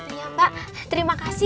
iya mbak terima kasih